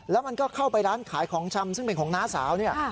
แล้วมันก็เข้าไปร้านขายของชำซึ่งเป็นของน้าสาวเนี่ย